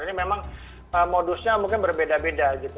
ini memang modusnya mungkin berbeda beda gitu